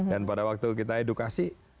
dan pada waktu kita edukasi